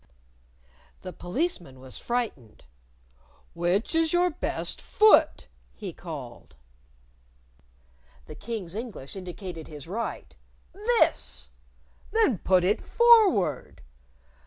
The Policeman was frightened. "Which is your best foot?" he called. The King's English indicated his right. "This!" "Then put it forward!"